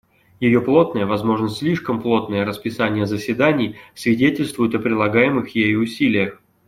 Ее плотное — возможно, слишком плотное — расписание заседаний свидетельствует о прилагаемых ею усилиях.